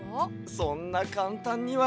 そんなかんたんには。